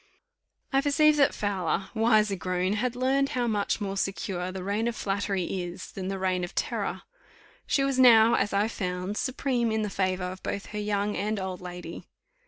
I perceived that Fowler, wiser grown, had learned how much more secure the reign of flattery is, than the reign of terror. She was now, as I found, supreme in the favour of both her young and old lady.